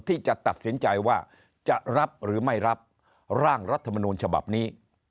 ที่จะตัดสินใจว่าจะรับหรือไม่รับร่างรัฐมนูลฉบับนี้